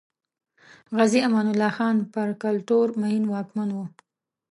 غازي امان الله خان پر کلتور مین واکمن و.